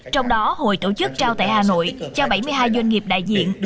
trong đó hội tổ chức trao tại hà nội cho bảy mươi hai doanh nghiệp đại diện